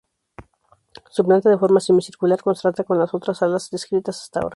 Su planta de forma semicircular contrasta con las otras salas descritas hasta ahora.